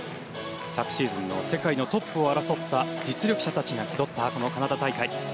昨シーズンの世界のトップを争った実力者たちがそろったこのカナダ大会。